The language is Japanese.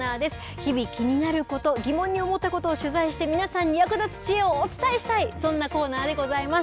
日々、気になること、疑問に思ったことを取材して、皆さんに役立つ知恵をお伝えしたい、そんなコーナーでございます。